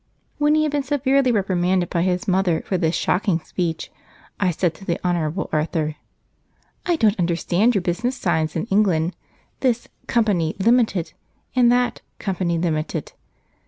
When he had been severely reprimanded by his mother for this shocking speech, I said to the Honourable Arthur: "I don't understand your business signs in England, this 'Company, Limited,' and that 'Company, Limited.'